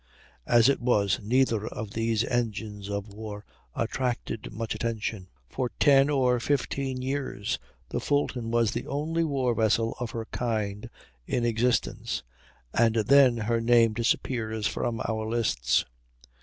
As it was, neither of these engines of war attracted much attention. For ten or fifteen years the Fulton was the only war vessel of her kind in existence, and then her name disappears from our lists.